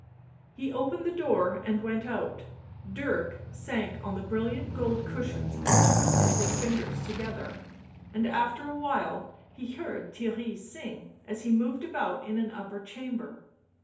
He opened the door and went out. Dirk sank on the brilliant gold cushions and twisted his fingers together ; and after a while he heard Theirry sing, as he moved about in an upper chamber.